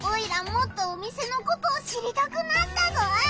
もっとお店のことを知りたくなったぞ！